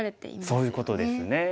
そういうことですよね。